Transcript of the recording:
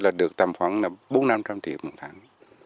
là được tầm khoảng bốn trăm linh năm trăm linh triệu một tháng